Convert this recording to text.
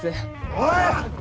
おい！